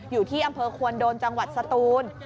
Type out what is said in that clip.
อยู่ที่อำเภอควนโดนจังหวัดสตูน